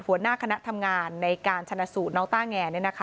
หัวหน้าคณะทำงานในการชนะสูตรน้องต้าแง